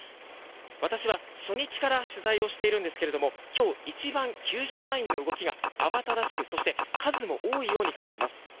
私は初日から取材をしているんですけれども今日、一番救助隊員の動きが慌ただしくそして、数も多いように感じます。